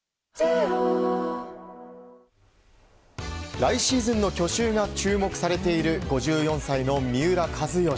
来シーズンの去就が注目されている５４歳の三浦知良。